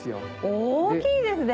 大きいですね。